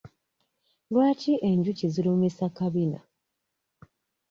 Lwaki enjuki zirumisa kabina?